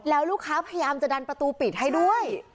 แล้วลูกค้าพยายามจะดันประตูปิดให้ด้วย